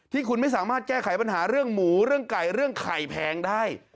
ที่คุณไม่สามารถแก้ไขปัญหาเรื่องหมูเรื่องไก่เรื่องไข่แพงได้